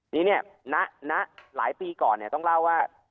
นี่เนี่ยณหลายปีก่อนต้องเล่าว่า